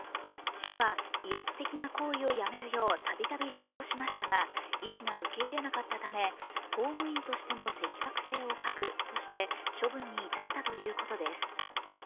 市は威圧的な行為をやめるよう度々指導しましたが医師が受け入れなかったため公務員としての適格性を欠くとして処分に至ったということです。